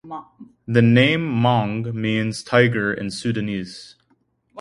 The name "Maung" means "tiger" in Sundanese.